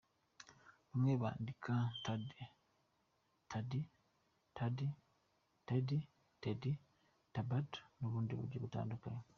Bamwe bandika, Thadde, Thade, Thadee, Theddy, Thedy, Thybaud n’ubundi buryo butandukanye.